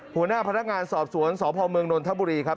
หัวหน้าพนักงานสอบสวนสพเมืองนนทบุรีครับ